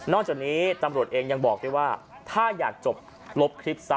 จากนี้ตำรวจเองยังบอกด้วยว่าถ้าอยากจบลบคลิปซะ